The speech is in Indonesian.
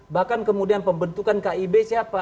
bahkan kemudian pembentukan kib siapa